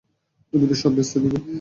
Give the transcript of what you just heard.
তুমি তো সব ভেস্তে দেবে।